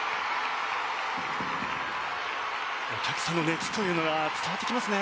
お客さんの熱というのが伝わってきますね。